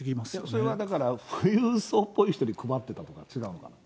それはだから富裕層っぽい人に配ってたとか、違うんかな。